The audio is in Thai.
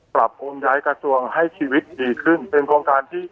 ปรับปรุงย้ายกระทรวงให้ชีวิตดีขึ้นเป็นโครงการที่